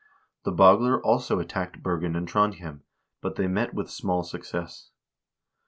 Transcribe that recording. The Bagler also attacked Bergen and Trondhjem, but they met with small success.